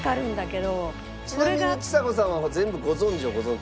ちなみにちさ子さんは全部ご存じはご存じ？